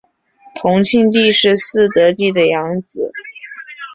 同庆帝是嗣德帝的养子。